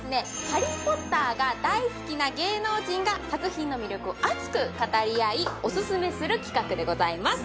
「ハリー・ポッター」が大好きな芸能人が作品の魅力を熱く語り合いオススメする企画でございます